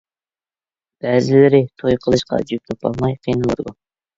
بەزىلىرى توي قىلىشقا جۈپ تاپالماي قىينىلىۋاتىدۇ.